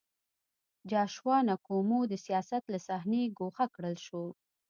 جاشوا نکومو د سیاست له صحنې ګوښه کړل شو.